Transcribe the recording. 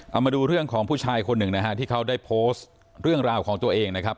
เอามาดูเรื่องของผู้ชายคนหนึ่งนะฮะที่เขาได้โพสต์เรื่องราวของตัวเองนะครับ